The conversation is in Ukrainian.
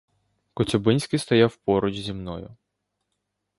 Коцюбинський стояв поруч зі мною.